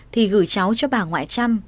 thì gửi cháu cho bà ngoại trăm